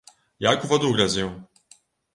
Як у ваду глядзеў.